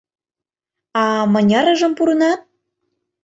— А мынярыжым пурынат?